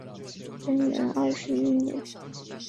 贞元二十一年